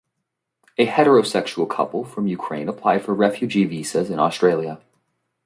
A heterosexual couple from Ukraine applied for refugee visas in Australia.